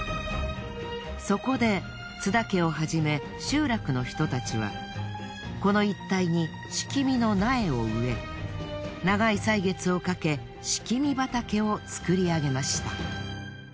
そこで津田家をはじめ集落の人たちはこの一帯に樒の苗を植え長い歳月をかけ樒畑を作り上げました。